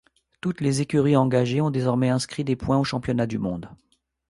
Toutes les écuries engagées ont désormais inscrit des points au championnat du monde.